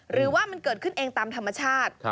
หรือว่ามันเกิดขึ้นเองตามธรรมชาติ